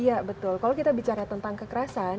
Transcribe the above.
iya betul kalau kita bicara tentang kekerasan